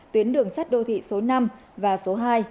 tuyến đường sắt đô thị số năm và số hai